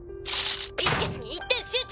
ビスケスに一点集中。